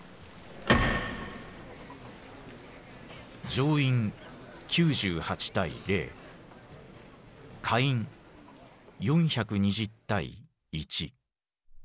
上院９８対０下院４２０対１。